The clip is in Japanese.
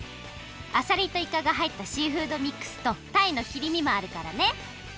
アサリとイカがはいったシーフドミックスとたいの切り身もあるからね。